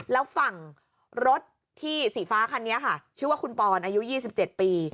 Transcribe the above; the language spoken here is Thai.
แล้วฝั่งรถที่สีฟ้าคันนี้ค่ะชื่อว่าคุณปอนอายุ๒๗ปี